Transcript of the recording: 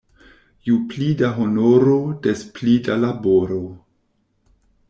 Ju pli da honoro, des pli da laboro.